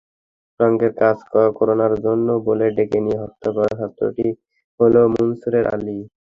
রঙের কাজ করানোর কথা বলে ডেকে নিয়ে হত্যা করা ছাত্রটি হলো মুনসের আলী।